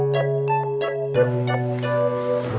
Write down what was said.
nggak ada apa apa